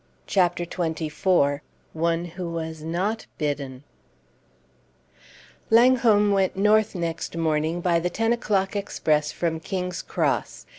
CHAPTER XXIV ONE WHO WAS NOT BIDDEN Langholm went north next morning by the ten o'clock express from King's Cross.